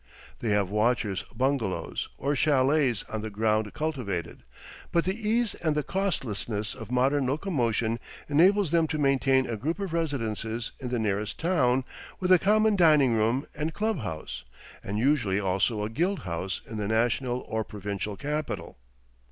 They have watchers' bungalows or chalets on the ground cultivated, but the ease and the costlessness of modern locomotion enables them to maintain a group of residences in the nearest town with a common dining room and club house, and usually also a guild house in the national or provincial capital.